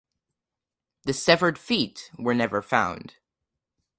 The severed feet were never found.